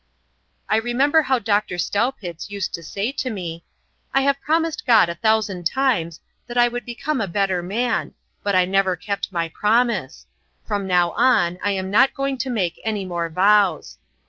I remember how Doctor Staupitz used to say to me: "I have promised God a thousand times that I would become a better man, but I never kept my promise. From now on I am not going to make any more vows.